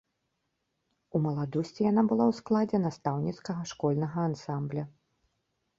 У маладосці яна была ў складзе настаўніцкага школьнага ансамбля.